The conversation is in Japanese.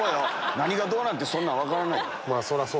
何がどうなってそんなん分からないよ。